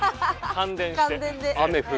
感電で。